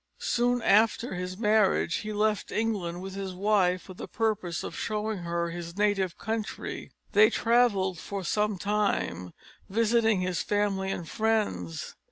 Soon after his marriage he left England with his wife for the purpose of showing her his native country. They travelled for some time, visiting his family and friends.